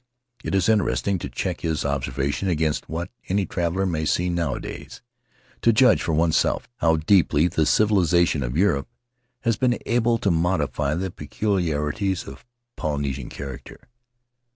It is interesting to check his observations against what any traveler may see nowa days — to judge for oneself how deeply the civilization At the House of Tari of Europe has been able to modify the peculiarities of Polynesian character.